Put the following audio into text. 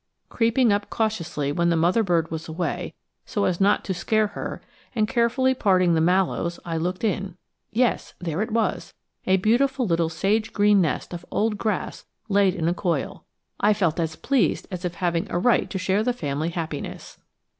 Creeping up cautiously when the mother bird was away, so as not to scare her, and carefully parting the mallows, I looked in. Yes, there it was, a beautiful little sage green nest of old grass laid in a coil. I felt as pleased as if having a right to share the family happiness.